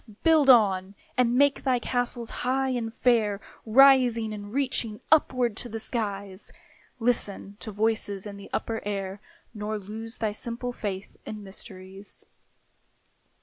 Build on, and make thy castles high and fair, Rising and reaching upward to the skies; Listen to voices in the upper air, Nor lose thy simple faith in mysteries.